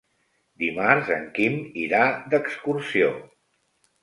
Dimarts en Quim irà d'excursió.